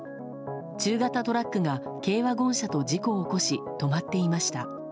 中型トラックが軽ワゴン車と事故を起こし止まっていました。